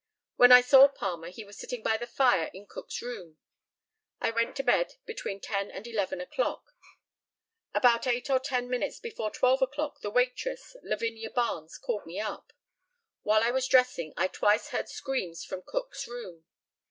When I saw Palmer he was sitting by the fire in Cook's room. I went to bed between 10 and 11 o'clock. About eight or ten minutes before 12 o'clock the waitress, Lavinia Barnes, called me up. While I was dressing I twice heard screams from Cook's room.